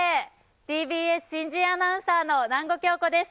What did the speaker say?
ＴＢＳ新人アナウンサーの南後杏子です。